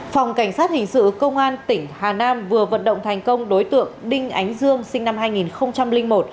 phòng cảnh sát hình sự công an tỉnh hà nam vừa vận động thành công đối tượng đinh ánh dương sinh năm hai nghìn một